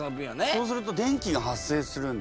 そうすると電気が発生するんだ。